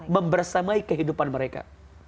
memberesamai kehidupan mereka